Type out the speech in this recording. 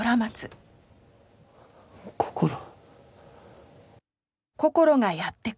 こころ？